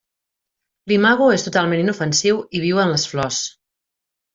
L'imago és totalment inofensiu i viu en les flors.